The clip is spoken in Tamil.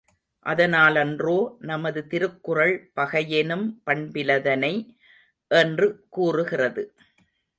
அதனாலன்றோ, நமது திருக்குறள் பகையென்னும் பண்பிலதனை என்று கூறுகிறது.